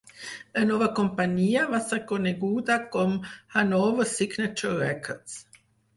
La nova companyia va ser coneguda com Hannover-Signature Records.